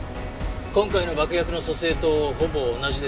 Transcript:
今回の爆薬の組成とほぼ同じです。